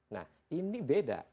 nah ini beda